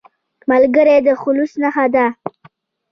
ملګری د خلوص نښه ده